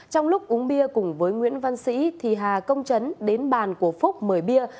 trong lúc uống bia cùng với nguyễn văn sĩ thì hà công trấn đến bàn của phúc mời bia